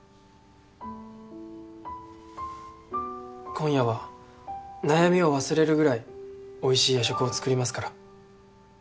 今夜は悩みを忘れるぐらいおいしい夜食を作りますから。